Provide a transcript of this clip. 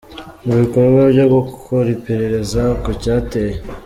mu bikorwa byo gukora iperereza ku cyateye.